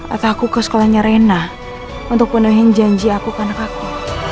atau aku ke sekolahnya reina untuk penuhi janji aku ke anak aku